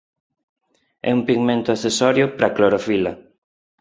É un pigmento accesorio para a clorofila.